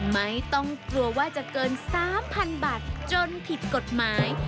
ไม่ต้องกลัวว่าจะเกิน๓๐๐๐บาทจนผิดกฎหมาย